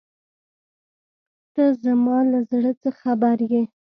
ته زما له زړۀ څه خبر یې.